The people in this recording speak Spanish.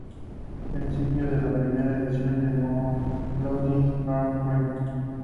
Participó en la primera edición del Melodi Grand Prix.